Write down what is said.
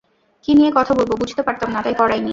কী নিয়ে কথা বলব, বুঝতে পারতাম না, তাই করাইনি।